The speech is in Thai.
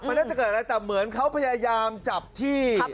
มันน่าจะเกิดอะไรแต่เหมือนเขาพยายามจับที่